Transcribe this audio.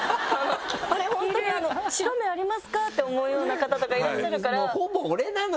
あれ本当に白目ありますか？って思うような方とかいらっしゃるから。